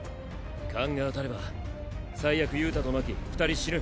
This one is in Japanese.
勘が当たれば最悪憂太と真希二人死ぬ。